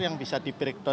yang bisa di breakdown